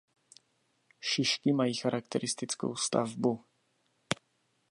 Šišky mají charakteristickou stavbu.